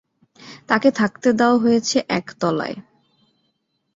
তাঁকে থাকতে দেওয়া হয়েছে একতলায়।